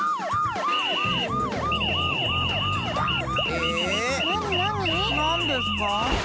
えっ⁉なになに？なんですか？